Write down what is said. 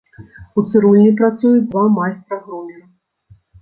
У цырульні працуюць два майстры-грумеры.